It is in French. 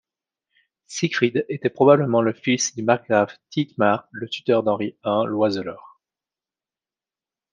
Siegfried était probablement le fils du margrave Thietmar, le tuteur d’Henri I l'Oiseleur.